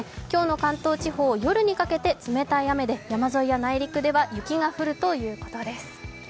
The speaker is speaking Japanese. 今日の関東地方、夜にかけて冷たい雨で山沿いや内陸では雪が降るということです。